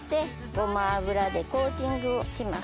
ゴマ油でコーティングをします。